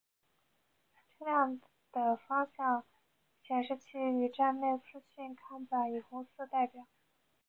车辆的方向显示器与站内资讯看板以红色代表。